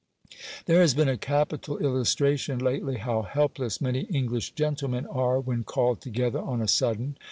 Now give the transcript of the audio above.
There has been a capital illustration lately how helpless many English gentlemen are when called together on a sudden.